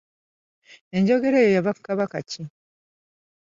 Enjogera eyo yava ku Kabaka ki?